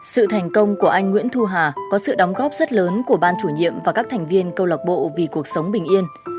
sự thành công của anh nguyễn thu hà có sự đóng góp rất lớn của ban chủ nhiệm và các thành viên câu lạc bộ vì cuộc sống bình yên